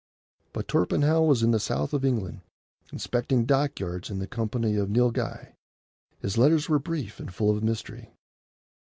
But Torpenhow was in the south of England, inspecting dockyards in the company of the Nilghai. His letters were brief and full of mystery.